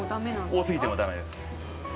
多すぎてもだめです。